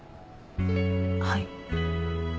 はい。